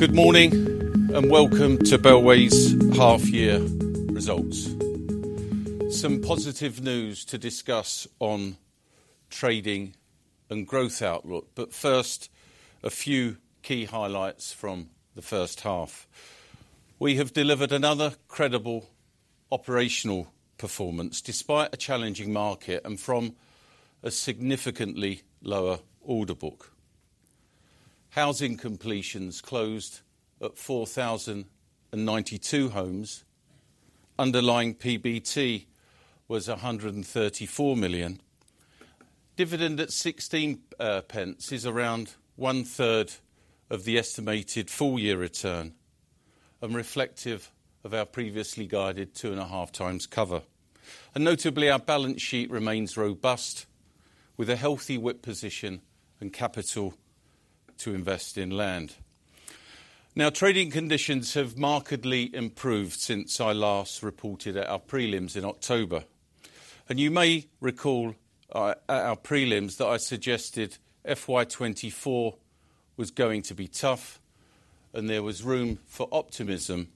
Good morning and welcome to Bellway's half-year results. Some positive news to discuss on trading and growth outlook, but first a few key highlights from the first half. We have delivered another credible operational performance despite a challenging market and from a significantly lower order book. Housing completions closed at 4,092 homes, underlying PBT was 134 million. Dividend at 0.16 is around 1/3 of the estimated full-year return, a reflection of our previously guided 2.5x cover. Notably, our balance sheet remains robust with a healthy WIP position and capital to invest in land. Now, trading conditions have markedly improved since I last reported at our prelims in October. You may recall at our prelims that I suggested FY2024 was going to be tough and there was room for optimism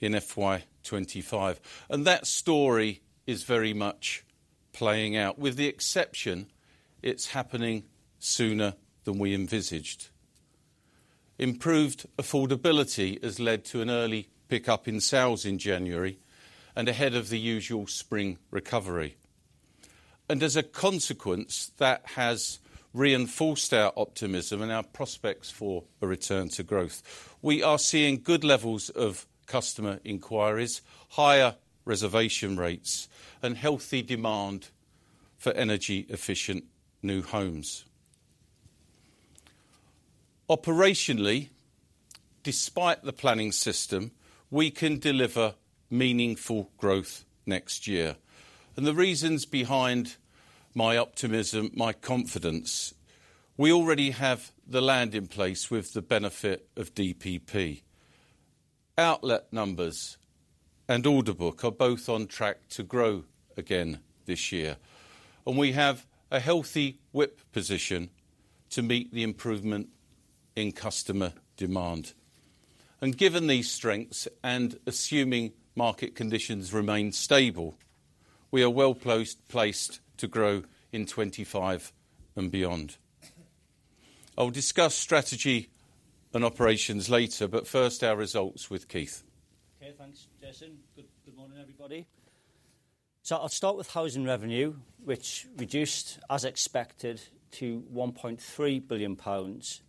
in FY2025. And that story is very much playing out, with the exception it's happening sooner than we envisaged. Improved affordability has led to an early pickup in sales in January and ahead of the usual spring recovery. And as a consequence, that has reinforced our optimism and our prospects for a return to growth. We are seeing good levels of customer inquiries, higher reservation rates, and healthy demand for energy-efficient new homes. Operationally, despite the planning system, we can deliver meaningful growth next year. And the reasons behind my optimism, my confidence: we already have the land in place with the benefit of DPP. Outlet numbers and order book are both on track to grow again this year. And we have a healthy WIP position to meet the improvement in customer demand. Given these strengths and assuming market conditions remain stable, we are well placed to grow in 2025 and beyond. I'll discuss strategy and operations later, but first our results with Keith. Okay, thanks, Jason. Good morning, everybody. So I'll start with housing revenue, which reduced, as expected, to 1.3 billion pounds,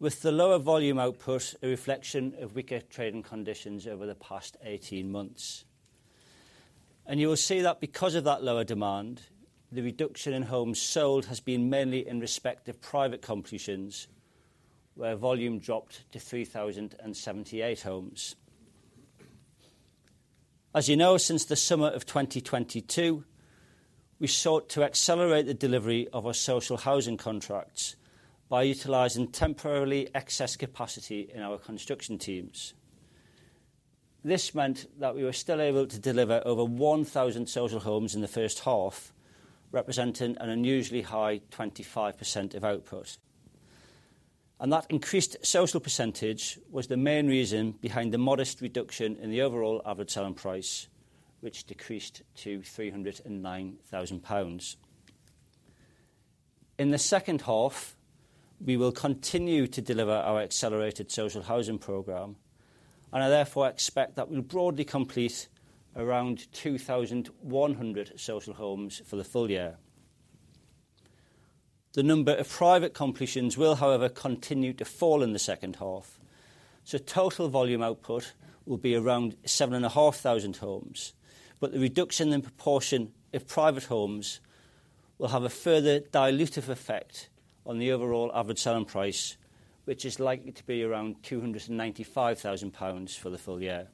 with the lower volume output a reflection of weaker trading conditions over the past 18 months. You will see that because of that lower demand, the reduction in homes sold has been mainly in respect of private completions, where volume dropped to 3,078 homes. As you know, since the summer of 2022, we sought to accelerate the delivery of our social housing contracts by utilizing temporarily excess capacity in our construction teams. This meant that we were still able to deliver over 1,000 social homes in the first half, representing an unusually high 25% of output. That increased social percentage was the main reason behind the modest reduction in the overall average selling price, which decreased to 309,000 pounds. In the second half, we will continue to deliver our accelerated social housing program, and I therefore expect that we'll broadly complete around 2,100 social homes for the full year. The number of private completions will, however, continue to fall in the second half. Total volume output will be around 7,500 homes. The reduction in proportion of private homes will have a further dilutive effect on the overall average selling price, which is likely to be around 295,000 pounds for the full year.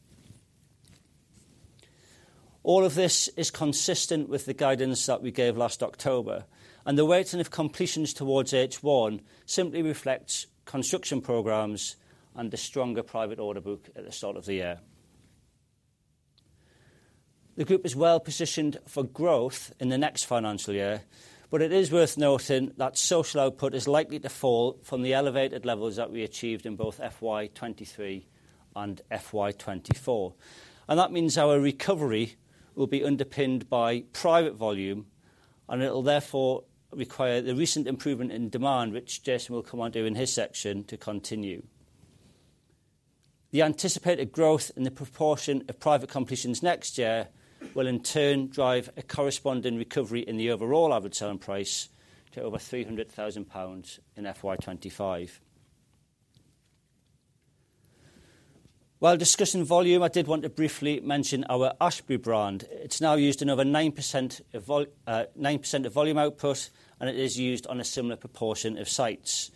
All of this is consistent with the guidance that we gave last October. The weighting of completions towards H1 simply reflects construction programs and a stronger private order book at the start of the year. The group is well positioned for growth in the next financial year, but it is worth noting that social output is likely to fall from the elevated levels that we achieved in both FY23 and FY2024. And that means our recovery will be underpinned by private volume, and it'll therefore require the recent improvement in demand, which Jason will come on to in his section, to continue. The anticipated growth in the proportion of private completions next year will, in turn, drive a corresponding recovery in the overall average selling price to over 300,000 pounds in FY2025. While discussing volume, I did want to briefly mention our Ashberry brand. It's now used in over 9% of volume output, and it is used on a similar proportion of sites.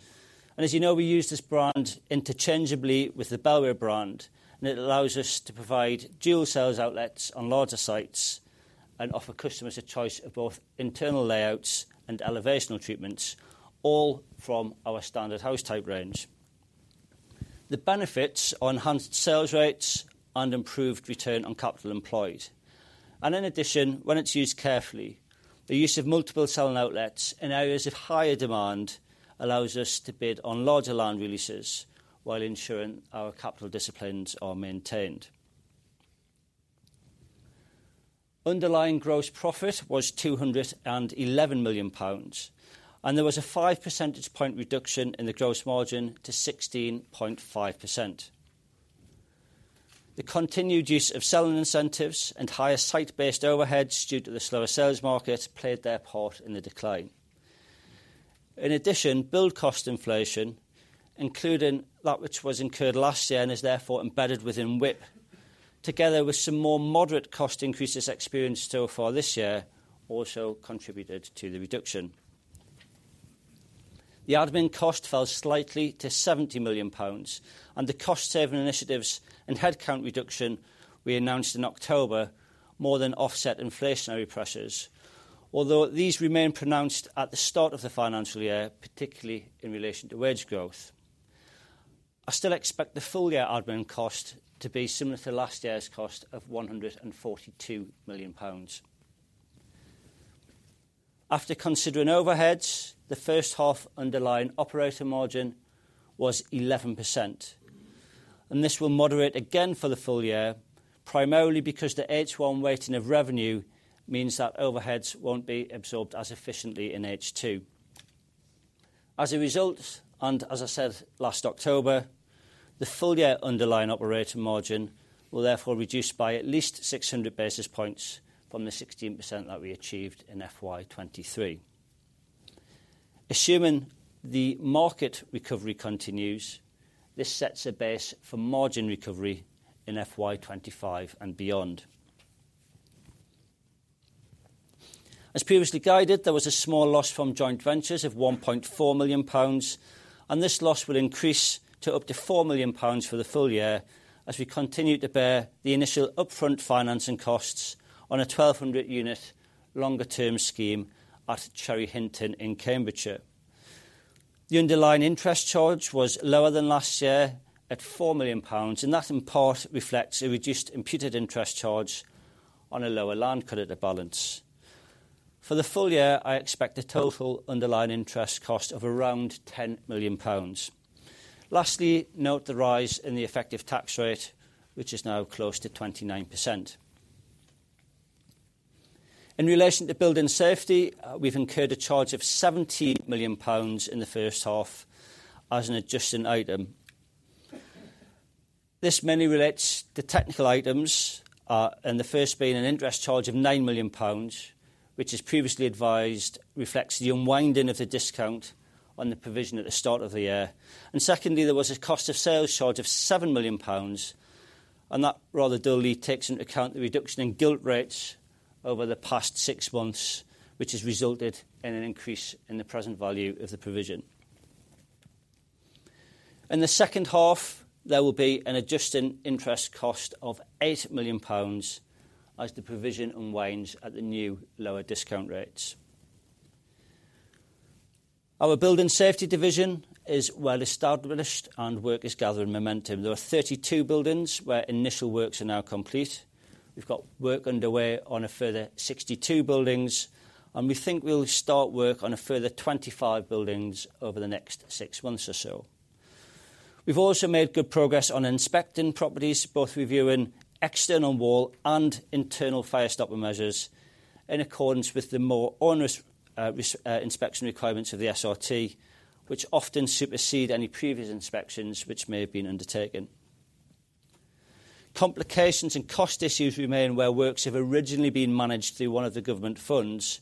As you know, we use this brand interchangeably with the Bellway brand, and it allows us to provide dual-sales outlets on larger sites and offer customers a choice of both internal layouts and elevational treatments, all from our standard house type range. The benefits are enhanced sales rates and improved return on capital employed. In addition, when it's used carefully, the use of multiple selling outlets in areas of higher demand allows us to bid on larger land releases while ensuring our capital disciplines are maintained. Underlying gross profit was 211 million pounds, and there was a 5 percentage point reduction in the gross margin to 16.5%. The continued use of selling incentives and higher site-based overheads due to the slower sales market played their part in the decline. In addition, build cost inflation, including that which was incurred last year and is therefore embedded within WIP, together with some more moderate cost increases experienced so far this year, also contributed to the reduction. The admin cost fell slightly to 70 million pounds, and the cost-saving initiatives and headcount reduction we announced in October more than offset inflationary pressures, although these remain pronounced at the start of the financial year, particularly in relation to wage growth. I still expect the full-year admin cost to be similar to last year's cost of 142 million pounds. After considering overheads, the first half underlying operating margin was 11%. This will moderate again for the full year, primarily because the H1 weighting of revenue means that overheads won't be absorbed as efficiently in H2. As a result, and as I said last October, the full-year underlying operating margin will therefore reduce by at least 600 basis points from the 16% that we achieved in FY23. Assuming the market recovery continues, this sets a base for margin recovery in FY2025 and beyond. As previously guided, there was a small loss from joint ventures of 1.4 million pounds, and this loss will increase to up to 4 million pounds for the full year as we continue to bear the initial upfront financing costs on a 1,200-unit longer-term scheme at Cherry Hinton in Cambridgeshire. The underlying interest charge was lower than last year at 4 million pounds, and that in part reflects a reduced imputed interest charge on a lower land credit balance. For the full year, I expect a total underlying interest cost of around 10 million pounds. Lastly, note the rise in the effective tax rate, which is now close to 29%. In relation to building safety, we've incurred a charge of 70 million pounds in the first half as an adjusting item. This mainly relates to technical items, and the first being an interest charge of 9 million pounds, which, as previously advised, reflects the unwinding of the discount on the provision at the start of the year. Secondly, there was a cost of sales charge of 7 million pounds, and that rather dully takes into account the reduction in gilt rates over the past six months, which has resulted in an increase in the present value of the provision. In the second half, there will be an adjusting interest cost of 8 million pounds as the provision unwinds at the new lower discount rates. Our building safety division is well established, and work is gathering momentum. There are 32 buildings where initial works are now complete. We've got work underway on a further 62 buildings, and we think we'll start work on a further 25 buildings over the next six months or so. We've also made good progress on inspecting properties, both reviewing external wall and internal fire-stopper measures in accordance with the more onerous inspection requirements of the SRT, which often supersede any previous inspections which may have been undertaken. Complications and cost issues remain where works have originally been managed through one of the government funds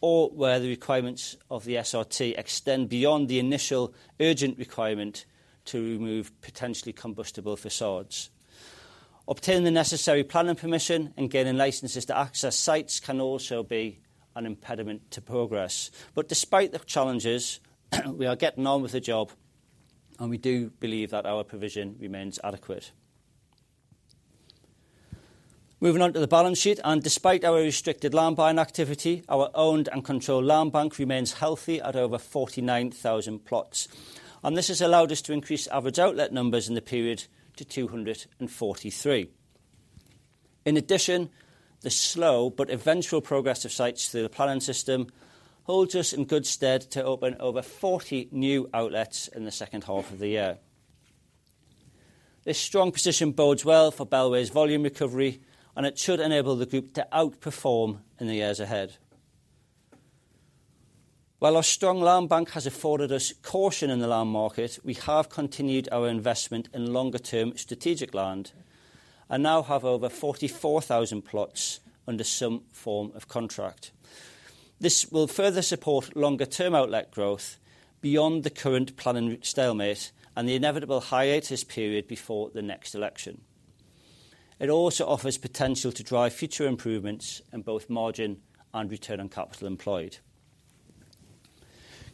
or where the requirements of the SRT extend beyond the initial urgent requirement to remove potentially combustible façades. Obtaining the necessary planning permission and gaining licenses to access sites can also be an impediment to progress. But despite the challenges, we are getting on with the job, and we do believe that our provision remains adequate. Moving on to the balance sheet. Despite our restricted land buying activity, our owned and controlled land bank remains healthy at over 49,000 plots. This has allowed us to increase average outlet numbers in the period to 243. In addition, the slow but eventual progress of sites through the planning system holds us in good stead to open over 40 new outlets in the second half of the year. This strong position bodes well for Bellway's volume recovery, and it should enable the group to outperform in the years ahead. While our strong land bank has afforded us caution in the land market, we have continued our investment in longer-term strategic land and now have over 44,000 plots under some form of contract. This will further support longer-term outlet growth beyond the current planning stalemate and the inevitable hiatus period before the next election. It also offers potential to drive future improvements in both margin and return on capital employed.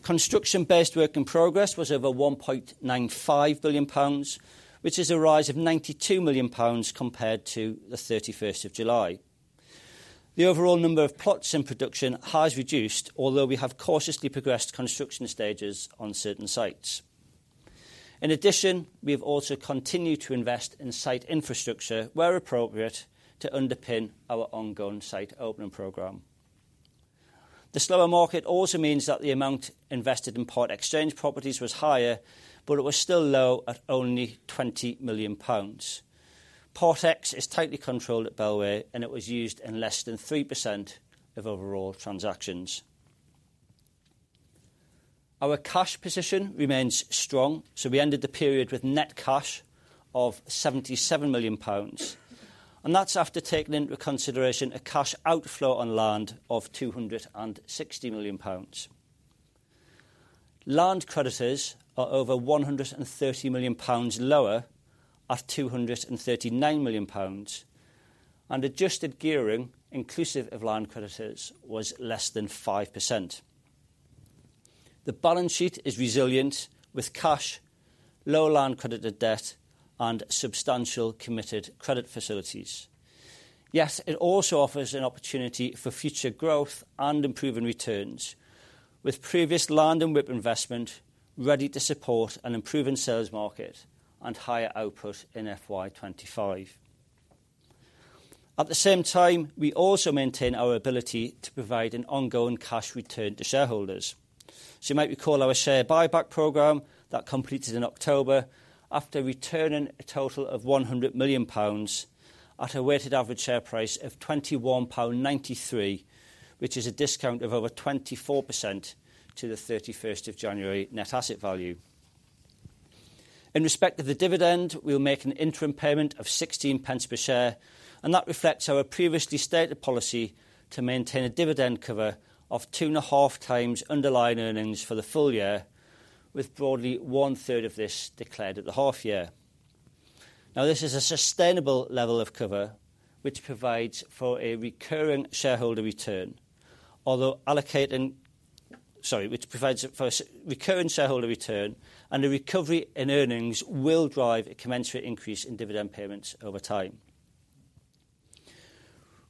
Construction-based work in progress was over GBP 1.95 billion, which is a rise of GBP 92 million compared to the 31st of July. The overall number of plots in production has reduced, although we have cautiously progressed construction stages on certain sites. In addition, we have also continued to invest in site infrastructure where appropriate to underpin our ongoing site opening program. The slower market also means that the amount invested in part exchange properties was higher, but it was still low at only 20 million pounds. Part Exchange is tightly controlled at Bellway, and it was used in less than 3% of overall transactions. Our cash position remains strong, so we ended the period with net cash of 77 million pounds. That's after taking into consideration a cash outflow on land of 260 million pounds. Land creditors are over 130 million pounds lower at 239 million pounds, and adjusted gearing, inclusive of land creditors, was less than 5%. The balance sheet is resilient, with cash, low land creditor debt, and substantial committed credit facilities. Yet, it also offers an opportunity for future growth and improving returns, with previous land and WIP investment ready to support an improving sales market and higher output in FY2025. At the same time, we also maintain our ability to provide an ongoing cash return to shareholders. So you might recall our share buyback program that completed in October after returning a total of GBP 100 million at a weighted average share price of GBP 21.93, which is a discount of over 24% to the 31st of January net asset value. In respect of the dividend, we'll make an interim payment of 0.16 per share, and that reflects our previously stated policy to maintain a dividend cover of 2.5x underlying earnings for the full year, with broadly one-third of this declared at the half-year. Now, this is a sustainable level of cover, which provides for a recurring shareholder return, and the recovery in earnings will drive a commensurate increase in dividend payments over time.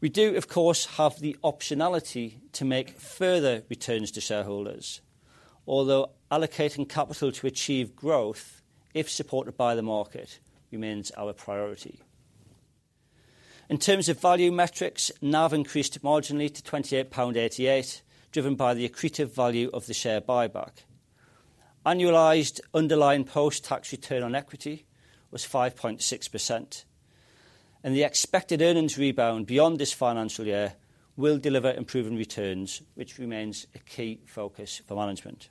We do, of course, have the optionality to make further returns to shareholders, although allocating capital to achieve growth, if supported by the market, remains our priority. In terms of value metrics, NAV increased marginally to GBP 28.88, driven by the accretive value of the share buyback. Annualized underlying post-tax return on equity was 5.6%. The expected earnings rebound beyond this financial year will deliver improving returns, which remains a key focus for management.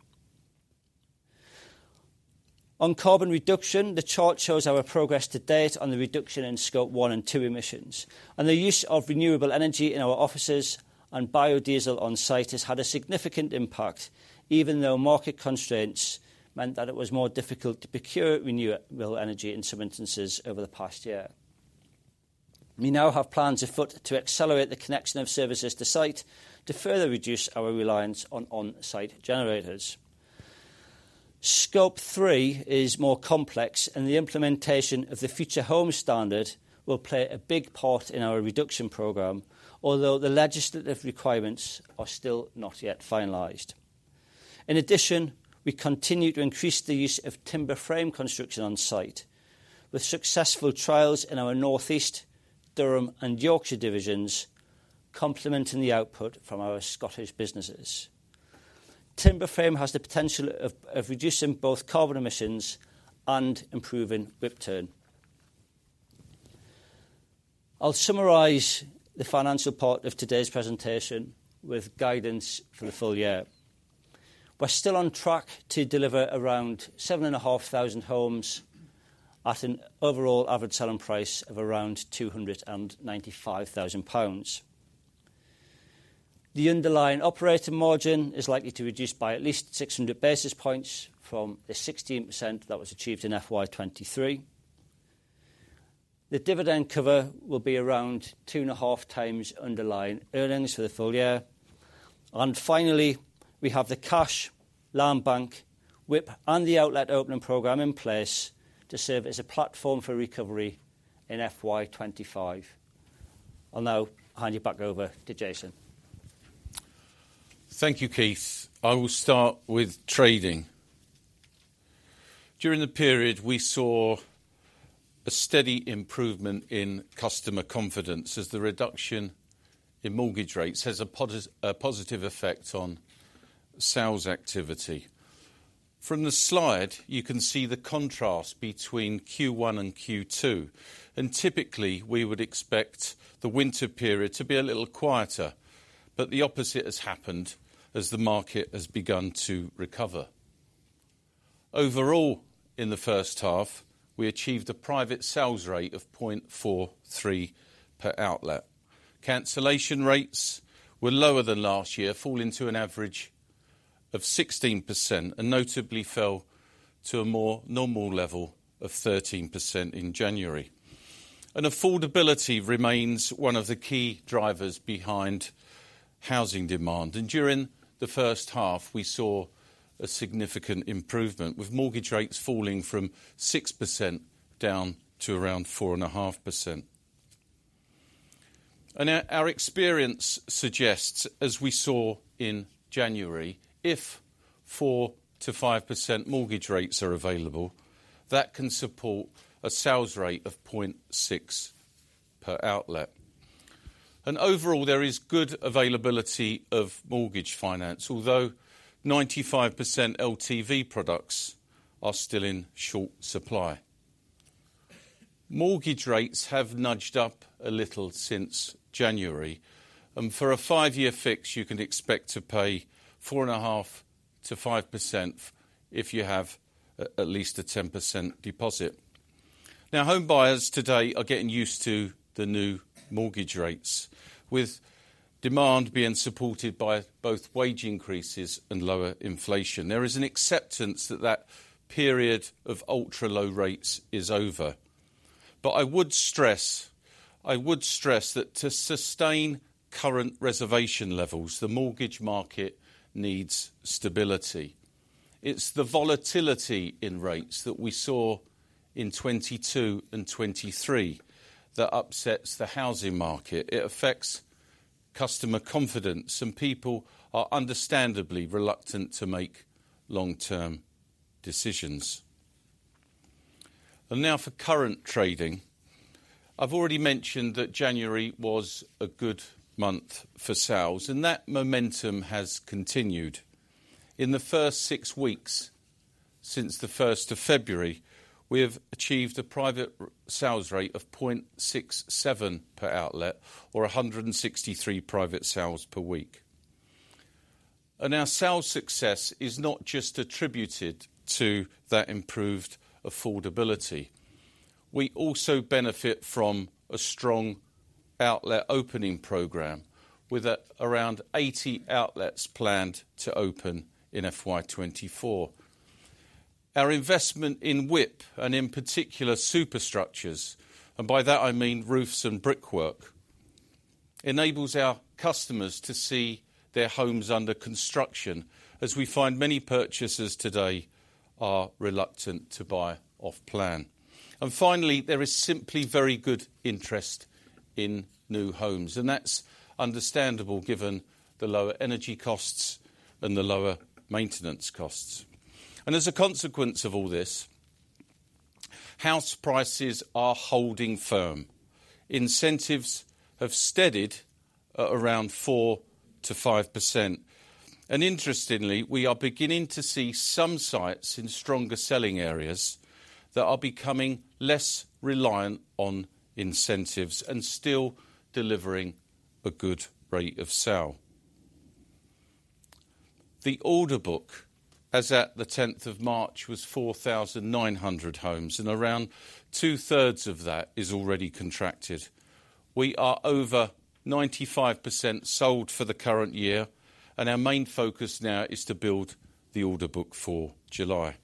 On carbon reduction, the chart shows our progress to date on the reduction in Scope One and Two emissions. The use of renewable energy in our offices and biodiesel on site has had a significant impact, even though market constraints meant that it was more difficult to procure renewable energy in some instances over the past year. We now have plans afoot to accelerate the connection of services to site to further reduce our reliance on on-site generators. Scope Three is more complex, and the implementation of the Future Homes Standard will play a big part in our reduction program, although the legislative requirements are still not yet finalized. In addition, we continue to increase the use of timber frame construction on site, with successful trials in our North East, Durham, and Yorkshire divisions complementing the output from our Scottish businesses. Timber frame has the potential of reducing both carbon emissions and improving WIP turn. I'll summarize the financial part of today's presentation with guidance for the full year. We're still on track to deliver around 7,500 homes at an overall average selling price of around 295,000 pounds. The underlying operating margin is likely to reduce by at least 600 basis points from the 16% that was achieved in FY2023. The dividend cover will be around 2.5 times underlying earnings for the full year. Finally, we have the cash, land bank, WIP, and the outlet opening program in place to serve as a platform for recovery in FY2025. I'll now hand you back over to Jason. Thank you, Keith. I will start with trading. During the period, we saw a steady improvement in customer confidence as the reduction in mortgage rates has a positive effect on sales activity. From the slide, you can see the contrast between Q1 and Q2. Typically, we would expect the winter period to be a little quieter, but the opposite has happened as the market has begun to recover. Overall, in the first half, we achieved a private sales rate of 0.43 per outlet. Cancellation rates were lower than last year, falling to an average of 16%, and notably fell to a more normal level of 13% in January. Affordability remains one of the key drivers behind housing demand. During the first half, we saw a significant improvement, with mortgage rates falling from 6% down to around 4.5%. Our experience suggests, as we saw in January, if 4%-5% mortgage rates are available, that can support a sales rate of 0.6 per outlet. Overall, there is good availability of mortgage finance, although 95% LTV products are still in short supply. Mortgage rates have nudged up a little since January, and for a five-year fix, you can expect to pay 4.5%-5% if you have at least a 10% deposit. Now, homebuyers today are getting used to the new mortgage rates, with demand being supported by both wage increases and lower inflation. There is an acceptance that that period of ultra-low rates is over. But I would stress... I would stress that to sustain current reservation levels, the mortgage market needs stability. It's the volatility in rates that we saw in 2022 and 2023 that upsets the housing market. It affects customer confidence, and people are understandably reluctant to make long-term decisions. Now for current trading. I've already mentioned that January was a good month for sales, and that momentum has continued. In the first six weeks since the 1st of February, we have achieved a private sales rate of 0.67 per outlet, or 163 private sales per week. Our sales success is not just attributed to that improved affordability. We also benefit from a strong outlet opening program, with around 80 outlets planned to open in FY2024. Our investment in WIP, and in particular superstructures - and by that I mean roofs and brickwork - enables our customers to see their homes under construction, as we find many purchasers today are reluctant to buy off-plan. Finally, there is simply very good interest in new homes. That's understandable, given the lower energy costs and the lower maintenance costs. As a consequence of all this, house prices are holding firm. Incentives have steadied at around 4%-5%. Interestingly, we are beginning to see some sites in stronger selling areas that are becoming less reliant on incentives and still delivering a good rate of sale. The order book, as at the 10th of March, was 4,900 homes, and around 2/3 of that is already contracted. We are over 95% sold for the current year, and our main focus now is to build the order book for July.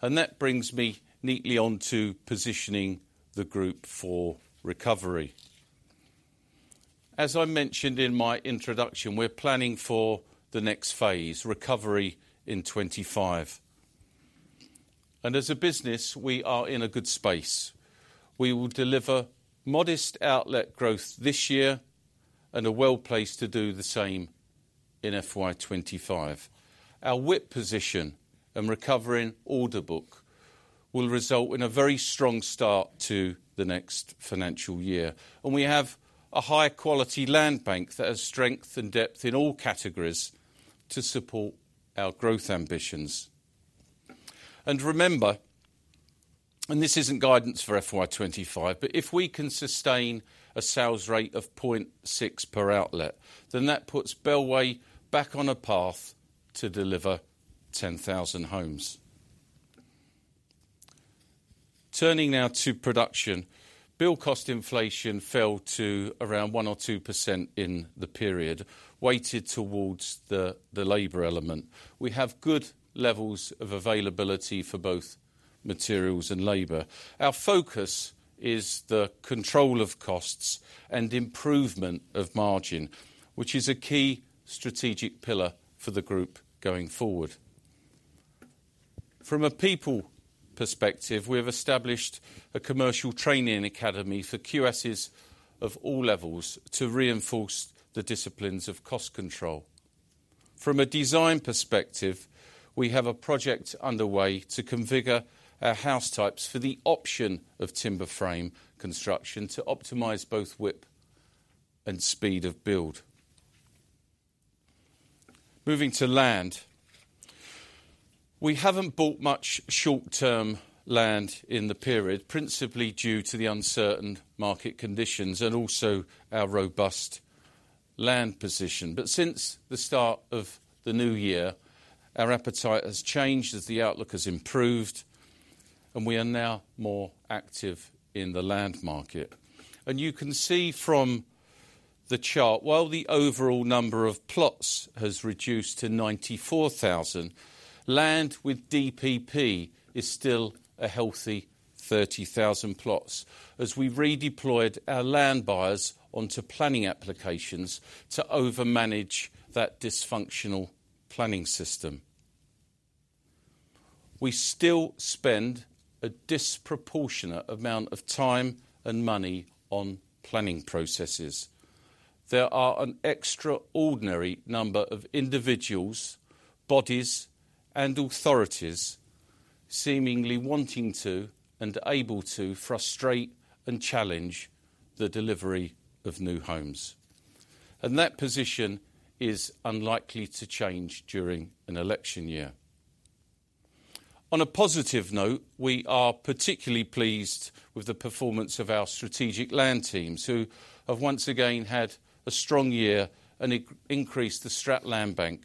That brings me neatly on to positioning the group for recovery. As I mentioned in my introduction, we're planning for the next phase, recovery in 2025. As a business, we are in a good space. We will deliver modest outlet growth this year and are well placed to do the same in FY2025. Our WIP position and recovering order book will result in a very strong start to the next financial year. We have a high-quality land bank that has strength and depth in all categories to support our growth ambitions. And remember... And this isn't guidance for FY2025, but if we can sustain a sales rate of 0.6 per outlet, then that puts Bellway back on a path to deliver 10,000 homes. Turning now to production. Build cost inflation fell to around 1%-2% in the period, weighted towards the labor element. We have good levels of availability for both materials and labor. Our focus is the control of costs and improvement of margin, which is a key strategic pillar for the group going forward. From a people perspective, we have established a commercial training academy for QSs of all levels to reinforce the disciplines of cost control. From a design perspective, we have a project underway to configure our house types for the option of timber frame construction to optimize both WIP and speed of build. Moving to land. We haven't bought much short-term land in the period, principally due to the uncertain market conditions and also our robust land position. But since the start of the new year, our appetite has changed as the outlook has improved, and we are now more active in the land market. And you can see from the chart, while the overall number of plots has reduced to 94,000, land with DPP is still a healthy 30,000 plots, as we redeployed our land buyers onto planning applications to overmanage that dysfunctional planning system. We still spend a disproportionate amount of time and money on planning processes. There are an extraordinary number of individuals, bodies, and authorities seemingly wanting to and able to frustrate and challenge the delivery of new homes. That position is unlikely to change during an election year. On a positive note, we are particularly pleased with the performance of our strategic land teams, who have once again had a strong year and increased the Strategic Land Bank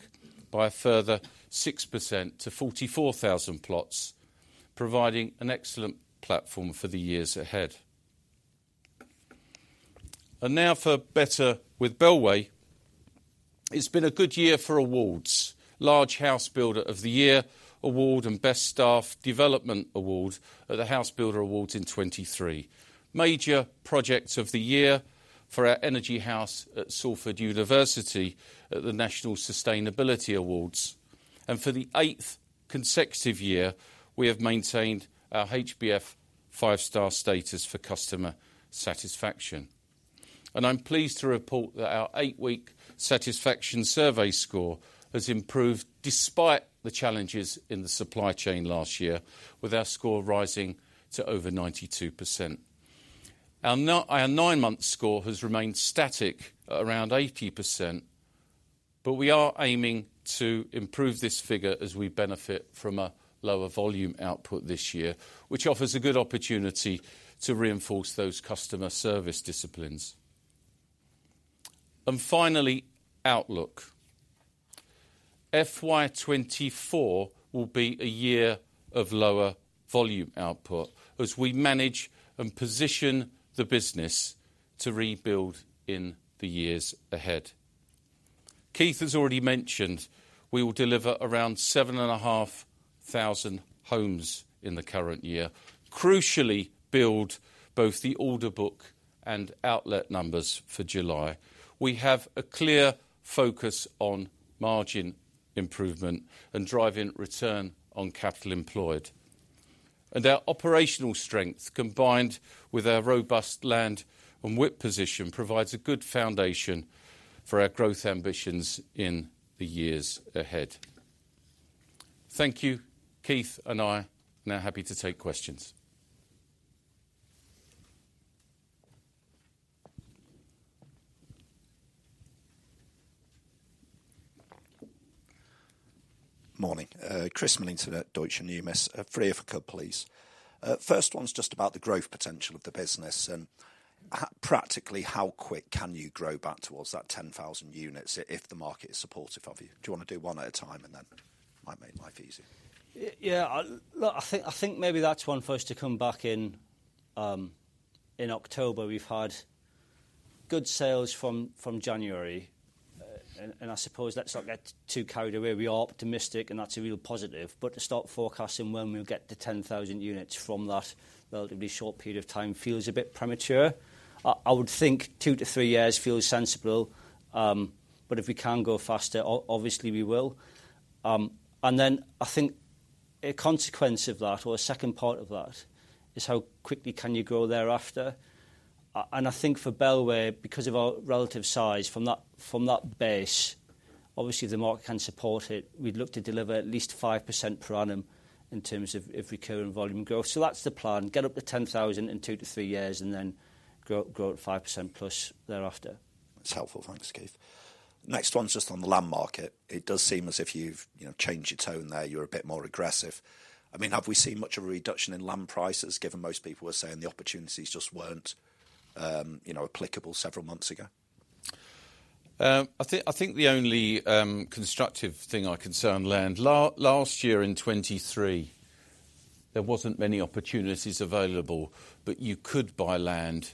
by a further 6% to 44,000 plots, providing an excellent platform for the years ahead. And now for better with Bellway. It's been a good year for awards: Large Housebuilder of the Year Award and Best Staff Development Award at the Housebuilder Awards in 2023, Major Project of the Year for our Energy House at University of Salford at the National Sustainability Awards, and for the eighth consecutive year, we have maintained our HBF five-star status for customer satisfaction. And I'm pleased to report that our eight-week satisfaction survey score has improved despite the challenges in the supply chain last year, with our score rising to over 92%. Our nine-month score has remained static at around 80%, but we are aiming to improve this figure as we benefit from a lower volume output this year, which offers a good opportunity to reinforce those customer service disciplines. And finally, outlook. FY2024 will be a year of lower volume output as we manage and position the business to rebuild in the years ahead. Keith has already mentioned we will deliver around 7,500 homes in the current year, crucially build both the order book and outlet numbers for July. We have a clear focus on margin improvement and driving return on capital employed. Our operational strength, combined with our robust land and WIP position, provides a good foundation for our growth ambitions in the years ahead. Thank you, Keith and I. Now happy to take questions. Morning. Chris Millington at Deutsche Bank. Three if I could, please. First one's just about the growth potential of the business. Practically, how quick can you grow back towards that 10,000 units if the market is supportive of you? Do you want to do one at a time and then make life easy? Yeah. Look, I think maybe that's one first to come back in October. We've had good sales from January. And I suppose let's not get too carried away. We are optimistic, and that's a real positive. But to start forecasting when we'll get to 10,000 units from that relatively short period of time feels a bit premature. I would think two to three years feels sensible. But if we can go faster, obviously we will. And then I think a consequence of that, or a second part of that, is how quickly can you grow thereafter. And I think for Bellway, because of our relative size, from that base, obviously the market can support it, we'd look to deliver at least 5% per annum in terms of recurring volume growth. So that's the plan: get up to 10,000 in two-three years and then grow at 5%+ thereafter. That's helpful. Thanks, Keith. Next one's just on the land market. It does seem as if you've changed your tone there. You're a bit more aggressive. I mean, have we seen much of a reduction in land prices, given most people were saying the opportunities just weren't applicable several months ago? I think the only constructive thing I can say concerning land... Last year, in 2023, there wasn't many opportunities available, but you could buy land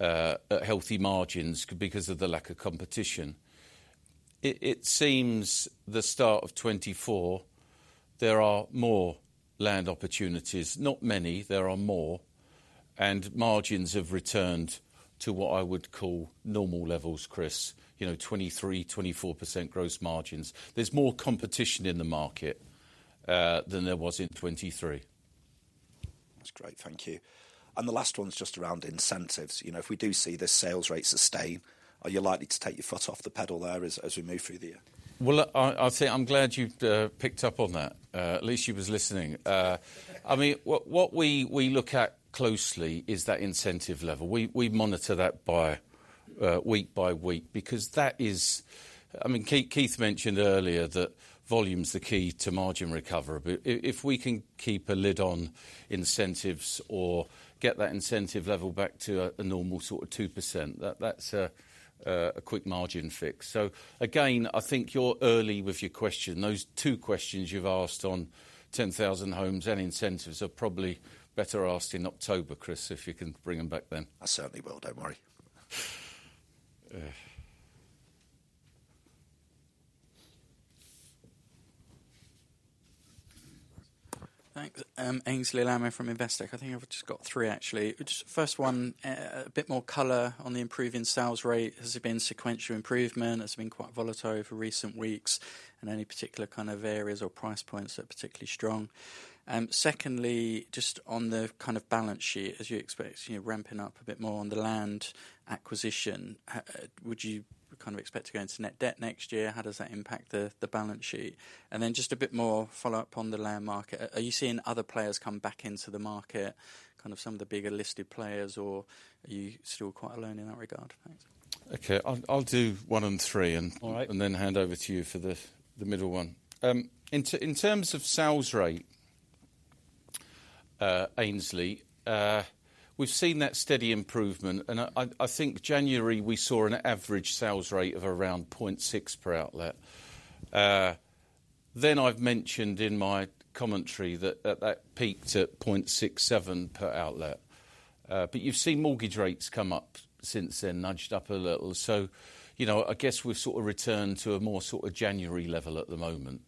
at healthy margins because of the lack of competition. It seems the start of 2024 there are more land opportunities. Not many. There are more. And margins have returned to what I would call normal levels, Chris: 23%-24% gross margins. There's more competition in the market than there was in 2023. That's great. Thank you. The last one's just around incentives. If we do see the sales rates sustain, are you likely to take your foot off the pedal there as we move through the year? Well, I think I'm glad you've picked up on that, at least you was listening. I mean, what we look at closely is that incentive level. We monitor that week-by-week because that is... I mean, Keith mentioned earlier that volume's the key to margin recovery. But if we can keep a lid on incentives or get that incentive level back to a normal sort of 2%, that's a quick margin fix. So, again, I think you're early with your question. Those two questions you've asked on 10,000 homes and incentives are probably better asked in October, Chris, if you can bring them back then. I certainly will. Don't worry. Thanks. Aynsley Lammin from Investec. I think I've just got three, actually. First one, a bit more colour on the improving sales rate. Has there been sequential improvement? Has it been quite volatile over recent weeks, and any particular kind of areas or price points that are particularly strong? Secondly, just on the kind of balance sheet, as you expect, ramping up a bit more on the land acquisition, would you kind of expect to go into net debt next year? How does that impact the balance sheet? And then just a bit more follow-up on the land market. Are you seeing other players come back into the market, kind of some of the bigger listed players, or are you still quite alone in that regard? OK, I'll do one and three and then hand over to you for the middle one. In terms of sales rate, Aynsley, we've seen that steady improvement. I think January we saw an average sales rate of around 0.6 per outlet. Then I've mentioned in my commentary that that peaked at 0.67 per outlet. But you've seen mortgage rates come up since then, nudged up a little. So, you know, I guess we've sort of returned to a more sort of January level at the moment.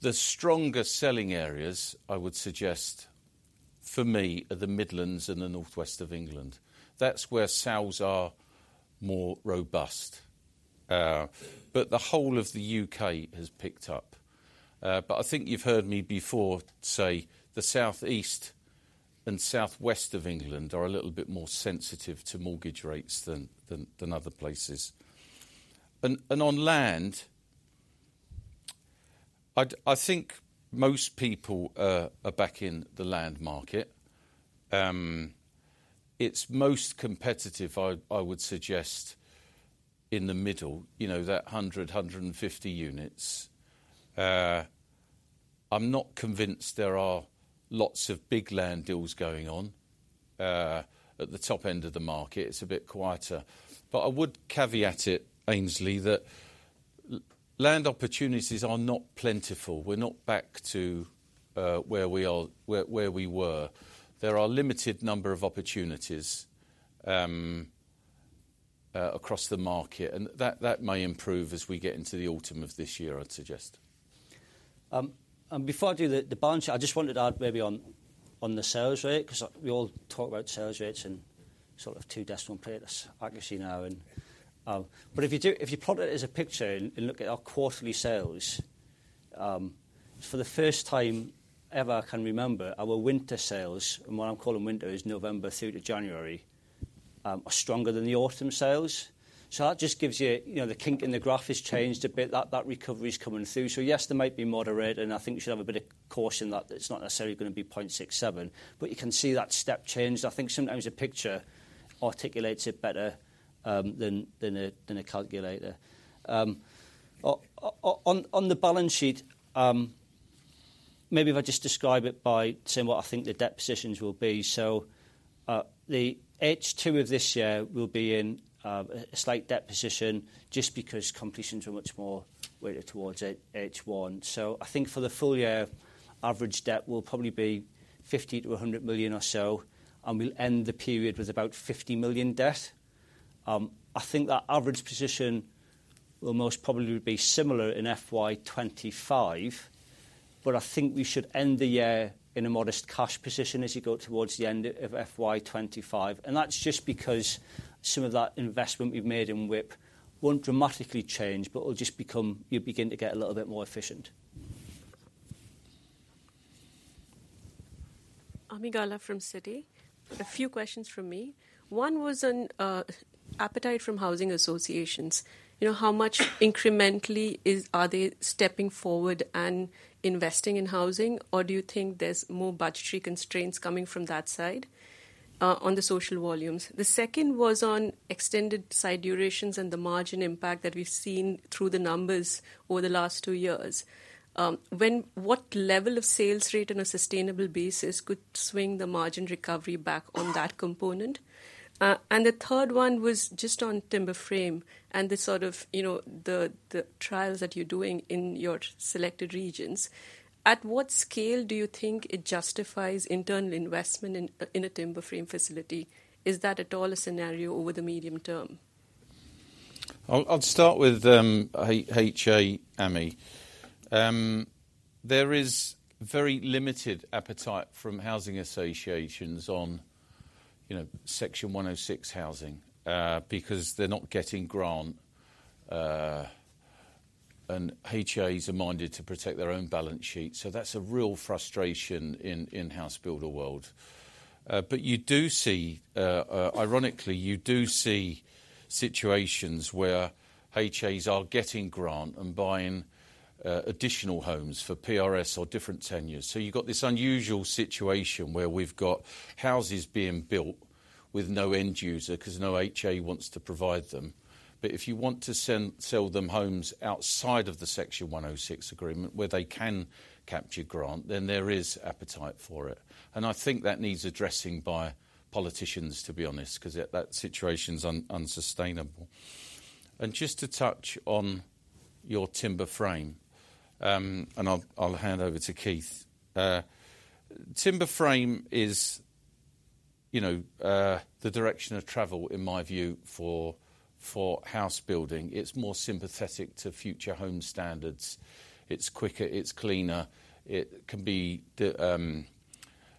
The stronger selling areas, I would suggest, for me, are the Midlands and the North West of England. That's where sales are more robust. But the whole of the U.K. has picked up. But I think you've heard me before say the South East and South West of England are a little bit more sensitive to mortgage rates than other places. On land, I think most people are back in the land market. It's most competitive, I would suggest, in the middle, you know, that 100 units-150 units. I'm not convinced there are lots of big land deals going on at the top end of the market. It's a bit quieter. But I would caveat it, Aynsley, that land opportunities are not plentiful. We're not back to where we were. There are a limited number of opportunities across the market, and that may improve as we get into the autumn of this year, I'd suggest. Before I do the balance sheet, I just wanted to add maybe on the sales rate, because we all talk about sales rates in sort of two decimal places actually now. But if you plot it as a picture and look at our quarterly sales, for the first time ever I can remember, our winter sales, and what I'm calling winter is November through to January, are stronger than the autumn sales. So that just gives you... The kink in the graph has changed a bit. That recovery's coming through. So, yes, there might be moderate, and I think you should have a bit of caution that it's not necessarily going to be 0.67. But you can see that step change. I think sometimes a picture articulates it better than a calculator. On the balance sheet, maybe if I just describe it by saying what I think the debt positions will be. So the H2 of this year will be in a slight debt position just because completions are much more weighted towards H1. So I think for the full year, average debt will probably be 50 million-100 million or so, and we'll end the period with about 50 million debt. I think that average position will most probably be similar in FY2025, but I think we should end the year in a modest cash position as you go towards the end of FY2025. And that's just because some of that investment we've made in WIP won't dramatically change, but will just become... You'll begin to get a little bit more efficient. Ami Galla from Citi. A few questions from me. One was on appetite from housing associations. How much incrementally are they stepping forward and investing in housing, or do you think there's more budgetary constraints coming from that side on the social volumes? The second was on extended site durations and the margin impact that we've seen through the numbers over the last two years. What level of sales rate on a sustainable basis could swing the margin recovery back on that component? And the third one was just on timber frame and the sort of trials that you're doing in your selected regions. At what scale do you think it justifies internal investment in a timber frame facility? Is that at all a scenario over the medium term? I'll start with HA, Ami. There is very limited appetite from housing associations on Section 106 housing because they're not getting grant, and HAs are minded to protect their own balance sheet. So that's a real frustration in housebuilder world. But you do see... Ironically, you do see situations where HAs are getting grant and buying additional homes for PRS or different tenures. So you've got this unusual situation where we've got houses being built with no end user because no HA wants to provide them. But if you want to sell them homes outside of the Section 106 agreement where they can capture grant, then there is appetite for it. And I think that needs addressing by politicians, to be honest, because that situation's unsustainable. And just to touch on your timber frame, and I'll hand over to Keith. Timber frame is the direction of travel, in my view, for house building. It's more sympathetic to future home standards. It's quicker. It's cleaner. It can be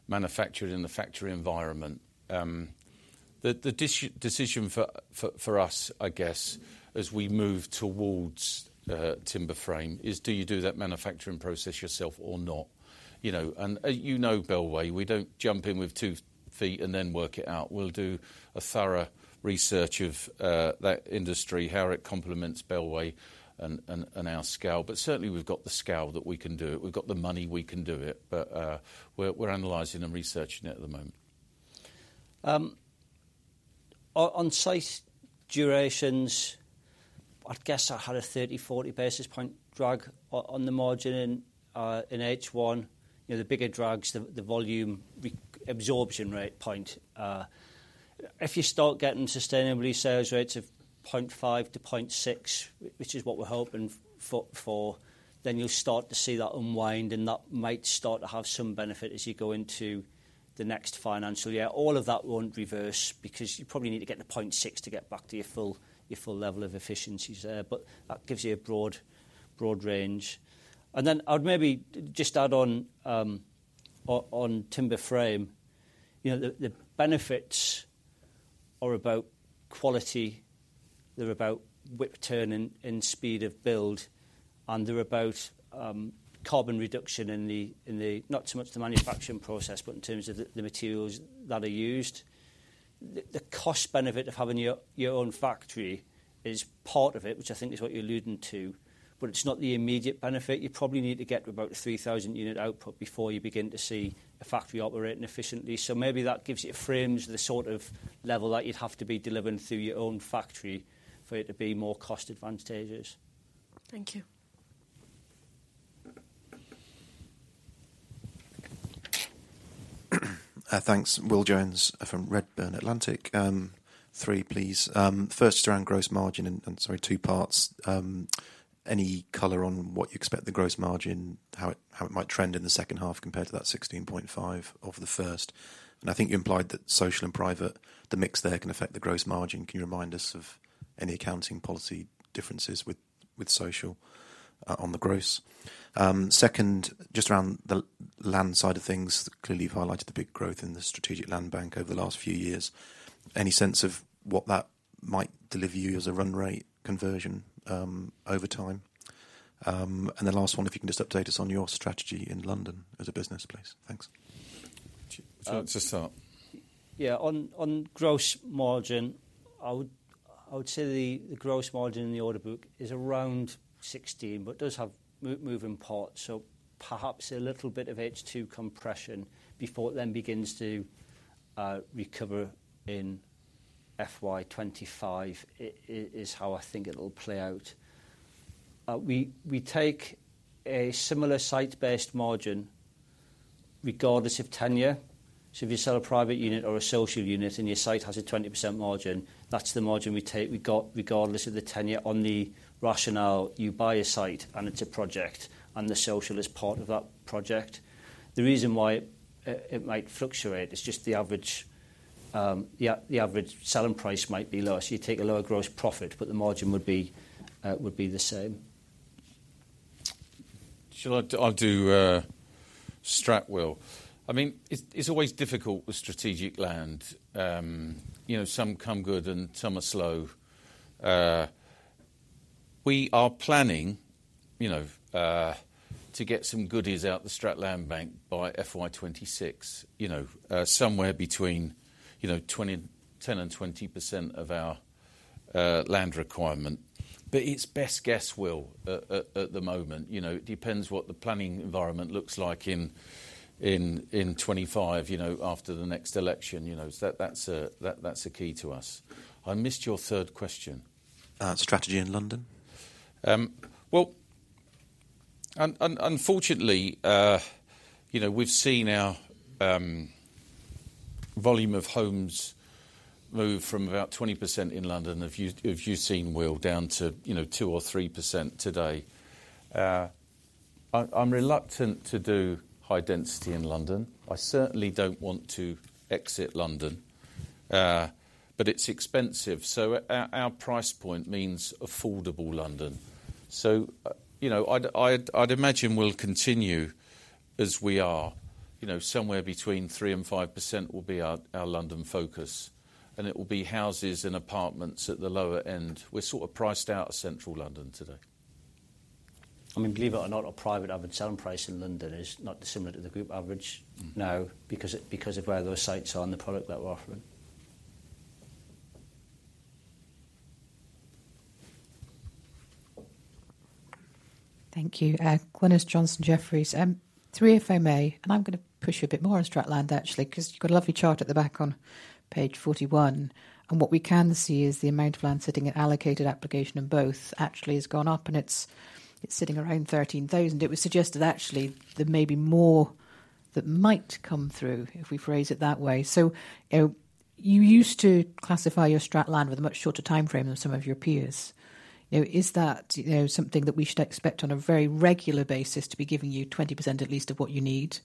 manufactured in the factory environment. The decision for us, I guess, as we move towards timber frame, is do you do that manufacturing process yourself or not? And you know Bellway. We don't jump in with two feet and then work it out. We'll do a thorough research of that industry, how it complements Bellway and our scale. But certainly we've got the scale that we can do it. We've got the money we can do it. But we're analyzing and researching it at the moment. On site durations, I'd guess I'd have a 30 basis points-40 basis point drag on the margin in H1. The bigger drags, the volume absorption rate point. If you start getting sustainably sales rates of 0.5-0.6, which is what we're hoping for, then you'll start to see that unwind, and that might start to have some benefit as you go into the next financial year. All of that won't reverse because you probably need to get to 0.6 to get back to your full level of efficiencies there. But that gives you a broad range. And then I'd maybe just add on on timber frame. The benefits are about quality. They're about WIP turn and speed of build. And they're about carbon reduction in the... Not so much the manufacturing process, but in terms of the materials that are used. The cost benefit of having your own factory is part of it, which I think is what you're alluding to. But it's not the immediate benefit. You probably need to get about 3,000 unit output before you begin to see a factory operating efficiently. So maybe that gives you frames the sort of level that you'd have to be delivering through your own factory for it to be more cost advantageous. Thank you. Thanks. Will Jones from Redburn Atlantic. Three, please. First, it's around gross margin. And sorry, two parts. Any color on what you expect the gross margin, how it might trend in the second half compared to that 16.5 of the first? And I think you implied that social and private, the mix there can affect the gross margin. Can you remind us of any accounting policy differences with social on the gross? Second, just around the land side of things, clearly you've highlighted the big growth in the Strategic Land Bank over the last few years. Any sense of what that might deliver you as a run rate conversion over time? And the last one, if you can just update us on your strategy in London as a business, please. Thanks. To start. Yeah, on gross margin, I would say the gross margin in the order book is around 16%, but does have moving parts. So perhaps a little bit of H2 compression before it then begins to recover in FY2025 is how I think it'll play out. We take a similar site-based margin regardless of tenure. So if you sell a private unit or a social unit and your site has a 20% margin, that's the margin we take regardless of the tenure. On the rationale, you buy a site and it's a project, and the social is part of that project. The reason why it might fluctuate is just the average... The average selling price might be lower. So you take a lower gross profit, but the margin would be the same. Shall I do Strat, Will? I mean, it's always difficult with Strategic Land. Some come good and some are slow. We are planning to get some goodies out of the Strat Land Bank by FY2026, somewhere between 10%-20% of our land requirement. But it's best guess, Will, at the moment. It depends what the planning environment looks like in 2025, after the next election. That's a key to us. I missed your third question. Strategy in London? Well, unfortunately, we've seen our volume of homes move from about 20% in London, if you've seen, Will, down to 2%-3% today. I'm reluctant to do high density in London. I certainly don't want to exit London. But it's expensive. So our price point means affordable London. So I'd imagine we'll continue as we are. Somewhere between 3%-5% will be our London focus. And it will be houses and apartments at the lower end. We're sort of priced out of central London today. I mean, believe it or not, a private average selling price in London is not dissimilar to the group average, no, because of where those sites are and the product that we're offering. Thank you. Glynis Johnson, Jefferies. Three, if I may. I'm going to push you a bit more on Strat Land, actually, because you've got a lovely chart at the back on page 41. What we can see is the amount of land sitting in allocated application in both actually has gone up, and it's sitting around 13,000. It was suggested, actually, there may be more that might come through, if we phrase it that way. So you used to classify your Strat Land with a much shorter timeframe than some of your peers. Is that something that we should expect on a very regular basis to be giving you 20% at least of what you need?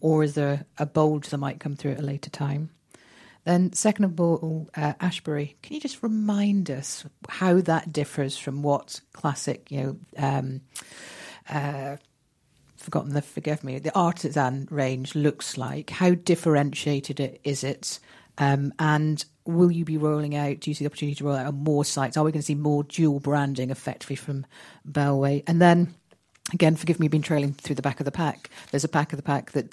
Or is there a bulge that might come through at a later time? Then, second of all, Ashberry, can you just remind us how that differs from what classic... I've forgotten, forgive me, what the Artisan range looks like. How differentiated is it? And will you be rolling out... Do you see the opportunity to roll out on more sites? Are we going to see more dual branding, effectively, from Bellway? And then, again, forgive me for being at the back of the pack. There's a back of the pack that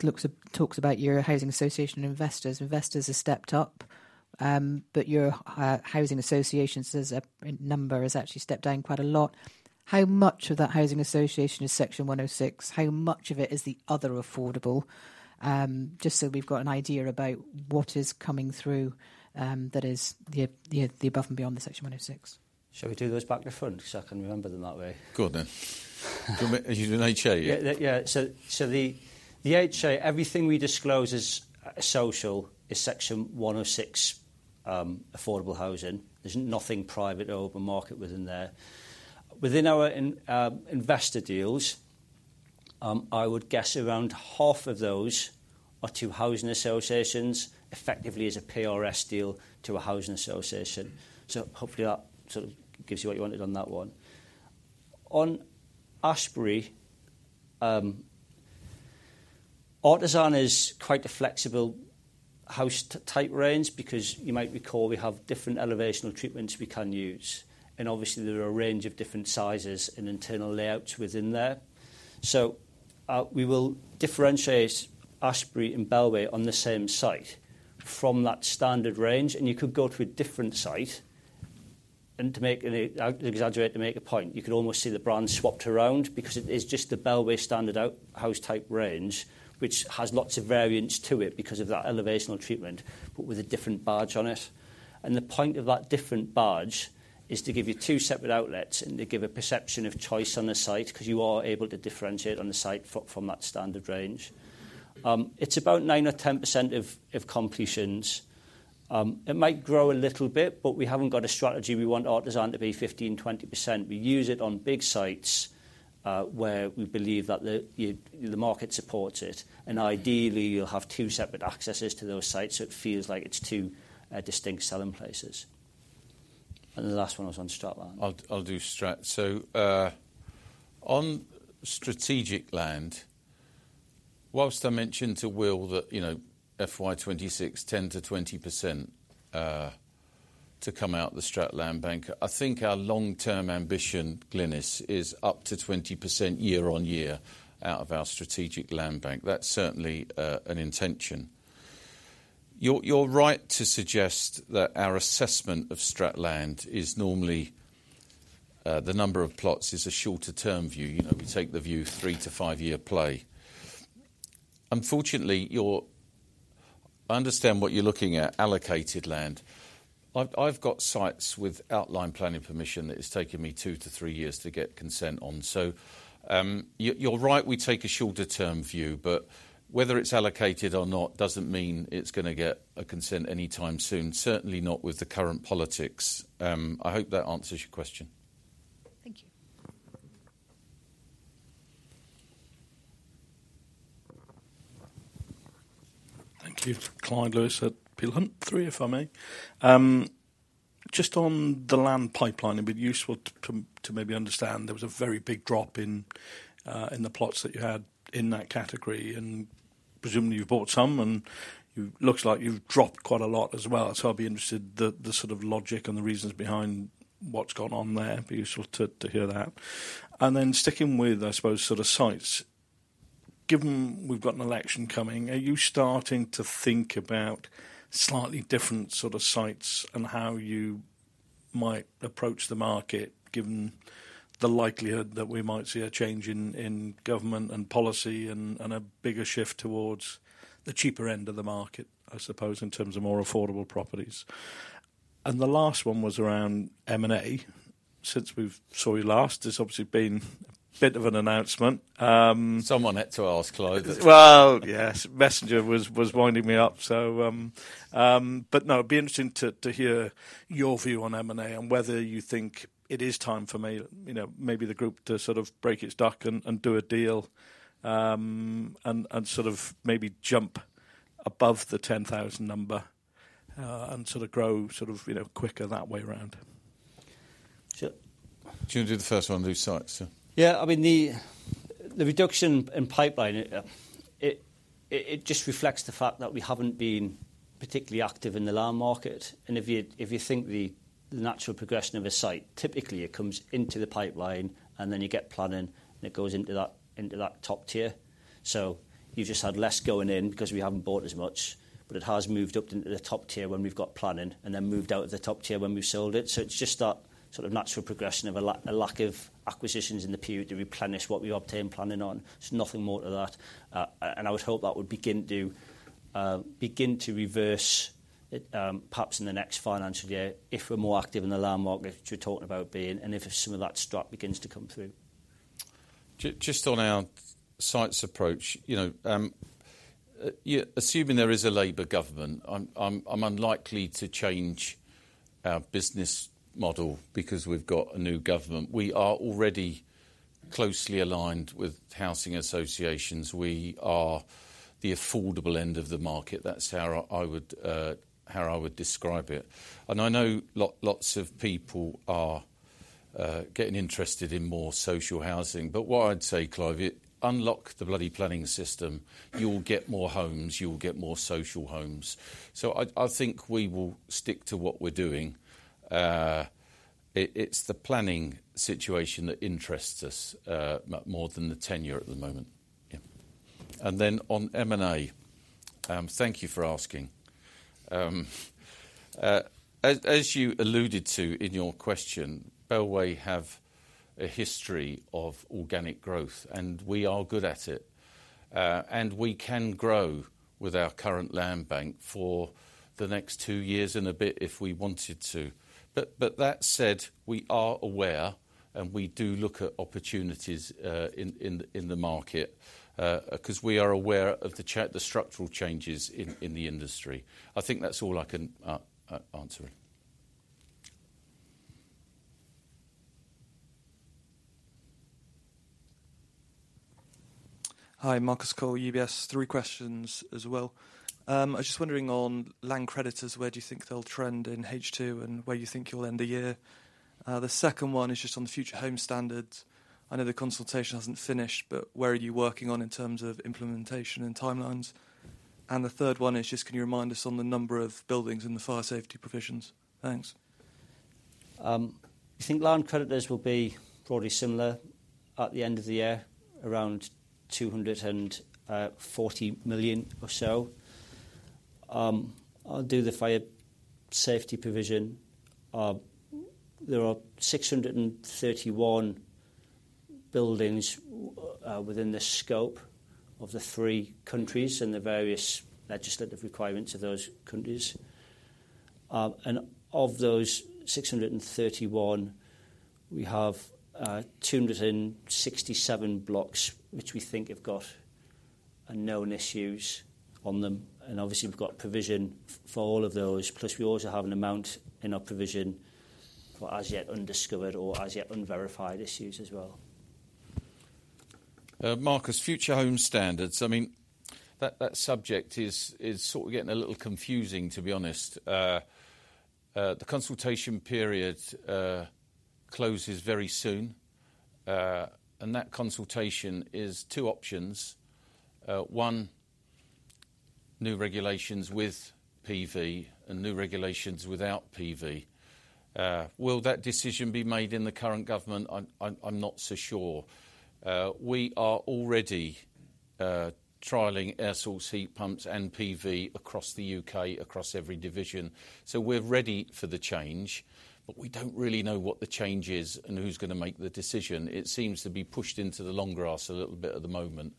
talks about your housing association investors. Investors have stepped up, but your housing associations as a number has actually stepped down quite a lot. How much of that housing association is Section 106? How much of it is the other affordable? Just so we've got an idea about what is coming through that is the above and beyond the Section 106. Shall we do those back to the front? Because I can remember them that way. Good then. As you do in HA, yeah? Yeah. So the HA, everything we disclose as social is Section 106 affordable housing. There's nothing private or open market within there. Within our investor deals, I would guess around half of those are to housing associations, effectively as a PRS deal to a housing association. So hopefully that sort of gives you what you wanted on that one. On Ashberry, Artisan is quite a flexible house type range because you might recall we have different elevational treatments we can use. And obviously, there are a range of different sizes and internal layouts within there. So we will differentiate Ashberry and Bellway on the same site from that standard range. And you could go to a different site. To exaggerate, to make a point, you could almost see the brand swapped around because it is just the Bellway standard house type range, which has lots of variants to it because of that elevational treatment, but with a different badge on it. The point of that different badge is to give you two separate outlets and to give a perception of choice on the site because you are able to differentiate on the site from that standard range. It's about 9% or 10% of completions. It might grow a little bit, but we haven't got a strategy. We want Artisan to be 15%-20%. We use it on big sites where we believe that the market supports it. Ideally, you'll have two separate accesses to those sites so it feels like it's two distinct selling places. The last one was on Strat Land. I'll do Strat. So on strategic land, whilst I mentioned to Will that FY2026, 10%-20% to come out of the Strat Land Bank, I think our long-term ambition, Glynis, is up to 20% year on year out of our strategic land bank. That's certainly an intention. You're right to suggest that our assessment of Strat Land is normally the number of plots is a shorter-term view. We take the view three- to five-year play. Unfortunately, I understand what you're looking at, allocated land. I've got sites with outline planning permission that it's taken me two to three years to get consent on. So you're right, we take a shorter-term view, but whether it's allocated or not doesn't mean it's going to get a consent anytime soon, certainly not with the current politics. I hope that answers your question. Thank you. Thank you. Clyde Lewis at Peel Hunt, three, if I may. Just on the land pipeline, it'd be useful to maybe understand there was a very big drop in the plots that you had in that category. And presumably you've bought some, and it looks like you've dropped quite a lot as well. So I'd be interested in the sort of logic and the reasons behind what's gone on there. It'd be useful to hear that. And then sticking with, I suppose, sort of sites, given we've got an election coming, are you starting to think about slightly different sort of sites and how you might approach the market, given the likelihood that we might see a change in government and policy and a bigger shift towards the cheaper end of the market, I suppose, in terms of more affordable properties? And the last one was around M&A. Since we saw you last, there's obviously been a bit of an announcement. Someone had to ask Clyde that. Well, yes. [Messenger] was winding me up. But no, it'd be interesting to hear your view on M&A and whether you think it is time for maybe the group to sort of break its duck and do a deal and sort of maybe jump above the 10,000 number and sort of grow sort of quicker that way around. Shall we do the first one? Yeah. I mean, the reduction in pipeline, it just reflects the fact that we haven't been particularly active in the land market. And if you think the natural progression of a site, typically it comes into the pipeline, and then you get planning, and it goes into that top tier. So you've just had less going in because we haven't bought as much. But it has moved up into the top tier when we've got planning and then moved out of the top tier when we've sold it. So it's just that sort of natural progression of a lack of acquisitions in the period to replenish what we obtained planning on. There's nothing more to that. I would hope that would begin to reverse perhaps in the next financial year if we're more active in the land market which you're talking about being and if some of that strat begins to come through. Just on our sites approach, assuming there is a Labour government, I'm unlikely to change our business model because we've got a new government. We are already closely aligned with housing associations. We are the affordable end of the market. That's how I would describe it. And I know lots of people are getting interested in more social housing. But what I'd say, Clyde, unlock the bloody planning system. You'll get more homes. You'll get more social homes. So I think we will stick to what we're doing. It's the planning situation that interests us more than the tenure at the moment. And then on M&A, thank you for asking. As you alluded to in your question, Bellway have a history of organic growth, and we are good at it. We can grow with our current land bank for the next two years and a bit if we wanted to. That said, we are aware and we do look at opportunities in the market because we are aware of the structural changes in the industry. I think that's all I can answer. Hi, Marcus Cole, UBS. Three questions as well. I was just wondering on land creditors, where do you think they'll trend in H2 and where you think you'll end the year? The second one is just on the Future Homes Standard. I know the consultation hasn't finished, but where are you working on in terms of implementation and timelines? And the third one is just, can you remind us on the number of buildings and the fire safety provisions? Thanks. I think land creditors will be broadly similar at the end of the year, around 240 million or so. I'll do the fire safety provision. There are 631 buildings within the scope of the three countries and the various legislative requirements of those countries. Of those 631, we have 267 blocks which we think have got known issues on them. Obviously, we've got provision for all of those. Plus, we also have an amount in our provision for as-yet-undiscovered or as-yet-unverified issues as well. Marcus, Future Homes Standard. I mean, that subject is sort of getting a little confusing, to be honest. The consultation period closes very soon. That consultation is two options. One, new regulations with PV and new regulations without PV. Will that decision be made in the current government? I'm not so sure. We are already trialing air source heat pumps and PV across the U.K., across every division. So we're ready for the change, but we don't really know what the change is and who's going to make the decision. It seems to be pushed into the long grass a little bit at the moment.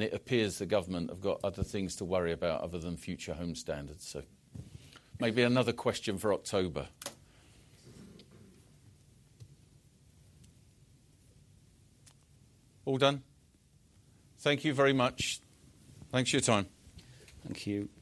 It appears the government have got other things to worry about other than Future Homes Standard. Maybe another question for October. All done? Thank you very much. Thanks for your time. Thank you.